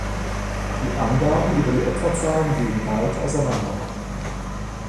Die Angaben über die Opferzahlen gehen weit auseinander.